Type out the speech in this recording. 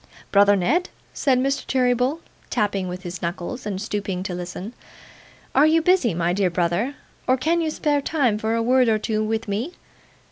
'Brother Ned,' said Mr. Cheeryble, tapping with his knuckles, and stooping to listen, 'are you busy, my dear brother, or can you spare time for a word or two with me?